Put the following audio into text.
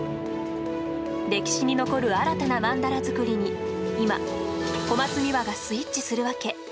歴史に残る新たなマンダラ作りに今、小松美羽がスイッチする訳。